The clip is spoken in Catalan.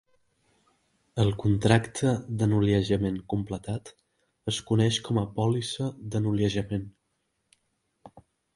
El contracte de noliejament completat es coneix com a pòlissa de noliejament.